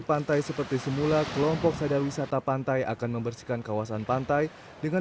pantai seperti semula kelompok sadar wisata pantai akan membersihkan kawasan pantai dengan